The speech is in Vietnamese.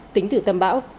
tính từ tâm bão